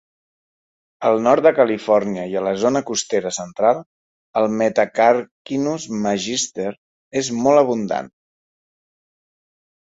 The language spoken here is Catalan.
Al nord de Califòrnia i a la zona costera central, el "Metacarcinus magister" és molt abundant.